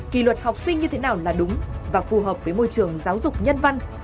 kỳ luật học sinh như thế nào là đúng và phù hợp với môi trường giáo dục nhân văn